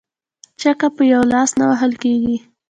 ـ چکه په يوه لاس نه وهل کيږي.